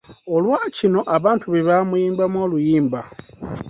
Olwa kino abantu be baamuyimbamu oluyimba.